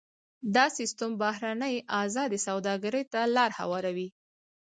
دا سیستم بهرنۍ ازادې سوداګرۍ ته لار هواروي.